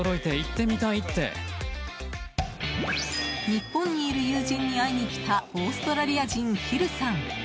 日本にいる友人に会いに来たオーストラリア人、フィルさん。